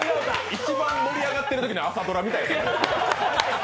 一番盛り上がってるときの朝ドラみたいやな。